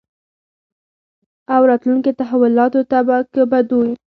او راتلونکې تحولاتو کې به دوی